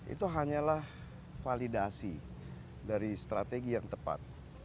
itu hanyalah validasi dari strategi yang tepat